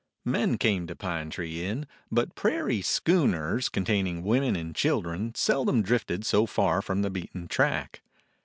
Men came to Pine Tree Inn, but "prairie schooners" containing women and children seldom drifted so far from the beaten track.